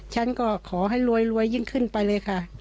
ฉันก็ขอให้รวยยิ่งขึ้นไปเลยค่ะ